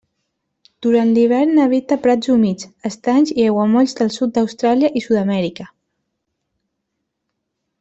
Durant l'hivern habita prats humits, estanys i aiguamolls del sud d'Austràlia i Sud-amèrica.